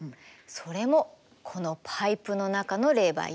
それもこのパイプの中の冷媒よ。